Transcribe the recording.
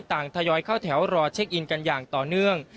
ทยอยเข้าแถวรอเช็คอินกันอย่างต่อเนื่อง